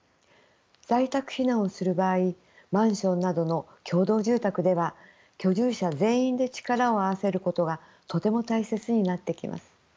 在宅避難をする場合マンションなどの共同住宅では居住者全員で力を合わせることがとても大切になってきます。